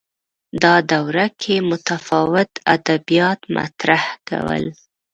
دا دوره کې متفاوت ادبیات مطرح کول